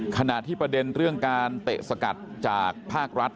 ขณะที่ประเด็นเรื่องการเตะสกัดจากภาครัฐ